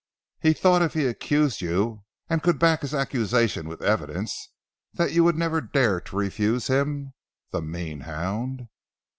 He thought if he accused you and could back his accusation with evidence that you would never dare to refuse him the mean hound!"